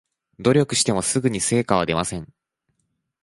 努力してもすぐに成果は出ません